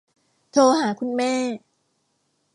โทรหาคุณแม่